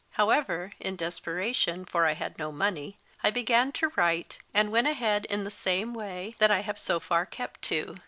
However, in desperation, for I had no money, I began to write, and went ahead in the same way that I have so far kept to.